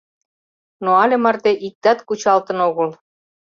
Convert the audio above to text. Но але марте иктат кучалтын огыл.